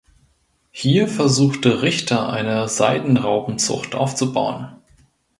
Hier versuchte Richter eine Seidenraupenzucht aufzubauen.